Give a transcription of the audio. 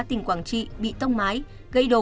tỉnh quảng trị bị tốc mái gây đổ